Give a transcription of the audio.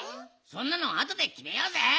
そんなのあとできめようぜ！